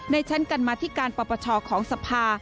ในชั้นกันมาที่การปรับประชาของสภา